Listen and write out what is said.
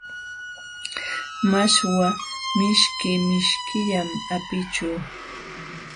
Mashwa mishki mishkillam apićhu.